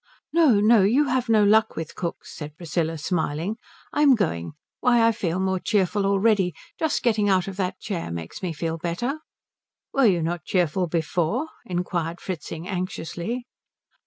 "No, no you have no luck with cooks," said Priscilla smiling. "I'm going. Why I feel more cheerful already just getting out of that chair makes me feel better." "Were you not cheerful before?" inquired Fritzing anxiously.